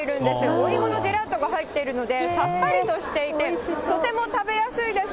おいものジェラートが入っているので、さっぱりとしていて、とても食べやすいです。